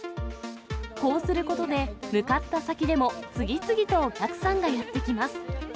こうすることで、向かった先でも、次々とお客さんがやって来ます。